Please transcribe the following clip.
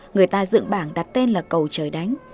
người ta dựng bảng đặt tên là cầu trời đánh